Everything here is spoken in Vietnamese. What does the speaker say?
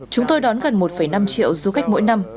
chúng tôi đón gần một năm triệu du khách mỗi năm